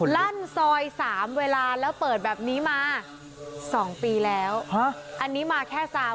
ลั่นซอย๓เวลาแล้วเปิดแบบนี้มา๒ปีแล้วอันนี้มาแค่๓